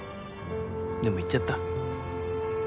でも行っちゃった。